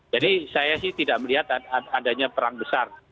jadi saya sih tidak melihat adanya perang besar